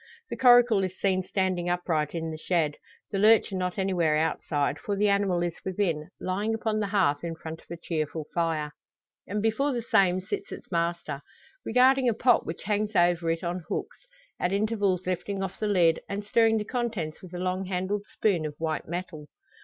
The coracle is seen standing upright in the shed; the lurcher not anywhere outside for the animal is within, lying upon the hearth in front of a cheerful fire. And before the same sits its master, regarding a pot which hangs over it on hooks; at intervals lifting off the lid, and stirring the contents with a long handled spoon of white metal.